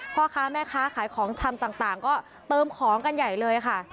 พ่อค้าแม่ค้าขายของชำต่างก็เติมของกันใหญ่เลยค่ะ